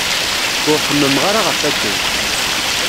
Ur xemmemeɣ ara ɣer wakken.